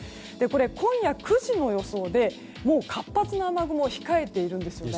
今夜９時の予想で活発な雨雲が控えているんです。